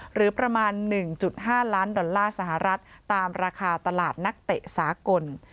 หรือประมาณ๑๕ล้านดอลลาร์สหรัฐตามราคาตลาดนักเตะสากล